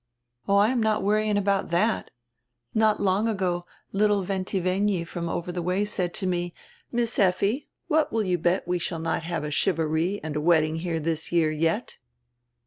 Oh, I am not worrying about diat. Not long ago littie Ventivegni from over the way said to me : 'Miss Effi, what will you bet we shall not have a charivari and a wedding here this year yet?